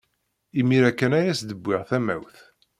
Imir-a kan ay as-d-wwiɣ tamawt.